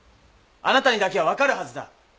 あなたにだけは分かるはずだ。